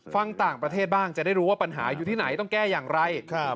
ฟังต่างประเทศบ้างจะได้รู้ว่าปัญหาอยู่ที่ไหนต้องแก้อย่างไร